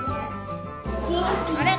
あれ？